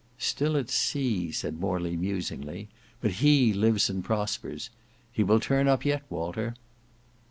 "Still at sea," said Morley musingly, "but he lives and prospers. He will turn up yet, Walter."